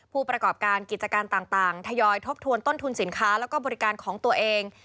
ผู้ประกอบการกิจการต่างทยอยทบทวนต้นทุนสินค้าแล้วก็บริการของตัวเอง